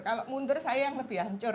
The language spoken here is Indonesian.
kalau mundur saya yang lebih hancur